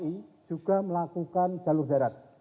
kami juga melakukan jalur jarat